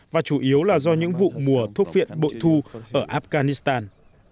và chủ yếu là do những vụ mùa thuốc viện bội thu ở afghanistan